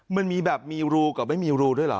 มันมีแบบมีรูกับไม่มีรูด้วยเหรอ